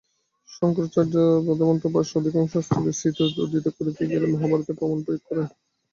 শঙ্করাচার্য বেদান্তভাষ্যে অধিকাংশ স্থলেই স্মৃতি উদ্ধৃত করিতে গেলেই মহাভারতের প্রমাণ প্রয়োগ করেন।